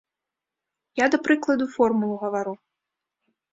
Я да прыкладу формулу гавару.